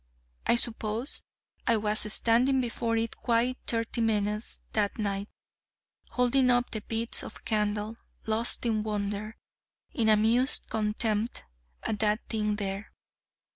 I suppose I was standing before it quite thirty minutes that night, holding up the bits of candle, lost in wonder, in amused contempt at that thing there.